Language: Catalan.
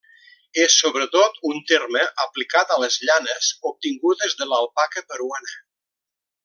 És sobretot un terme aplicat a les llanes, obtingudes de l'alpaca peruana.